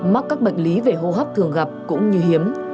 mắc các bệnh lý về hô hấp thường gặp cũng như hiếm